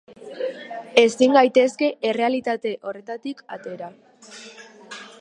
Ezin gaitezke errealitate horretatik atera.